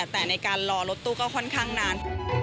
แต่ในการรอรถตู้ก็ค่อนข้างนาน